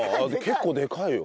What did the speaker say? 結構でかいよ。